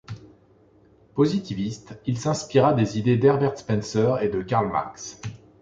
Positiviste, il s'inspira des idées d'Herbert Spencer et de Karl Marx.